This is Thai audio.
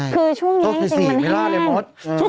คือช่วงนี้จริงมันแห้ง